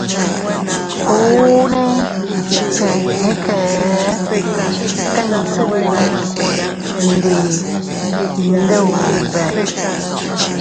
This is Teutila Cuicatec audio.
Unne cheʼe kee tinnu ndi Iyndube.